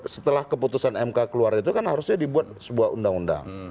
setelah keputusan mk keluar itu kan harusnya dibuat sebuah undang undang